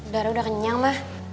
dar udah kenyang mah